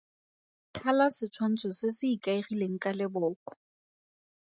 Thala setshwantsho se se ikaegileng ka leboko.